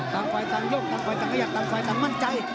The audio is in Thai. ต่างฝ่ายต่างยกต่างฝ่ายต่างขยับต่างฝ่ายต่างมั่นใจ